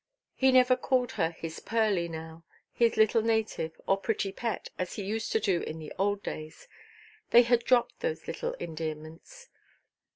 He never called her his Pearly now, his little native, or pretty pet, as he used to do in the old days. They had dropped those little endearments.